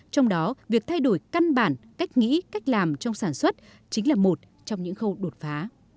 trong đó việc thay đổi căn bản cách nghĩ cách làm trong sản xuất chính là một trong những khâu đột phá